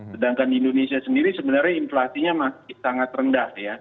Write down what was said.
sedangkan di indonesia sendiri sebenarnya inflasinya masih sangat rendah ya